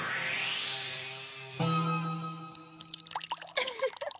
ウフフフ！